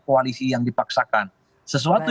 koalisi yang dipaksakan sesuatu